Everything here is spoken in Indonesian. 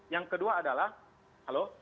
yang kedua adalah halo